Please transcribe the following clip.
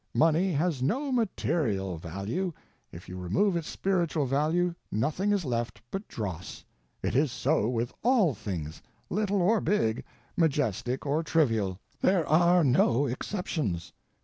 Money has no _material _value; if you remove its spiritual value nothing is left but dross. It is so with all things, little or big, majestic or trivial—there are no exceptions.